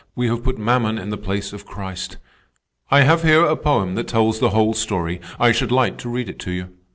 We have put mammon in the place of Christ. I have here a poem that tells the whole story. I should like to read it to you.